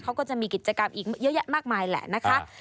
เขาก็จะมีกิจกรรมอีกเยอะแยะมากมายแหละนะคะ